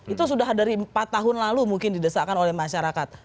itu sudah dari empat tahun lalu mungkin didesakkan oleh masyarakat